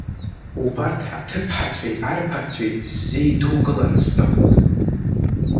Убарҭ аҭыԥҳацәеи арԥарацәеи сзеидукылар сҭахуп.